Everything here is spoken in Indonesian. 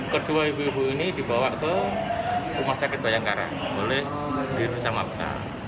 kedua ibu ibu ini dibawa ke rumah sakit bayangkara oleh dir kecamatan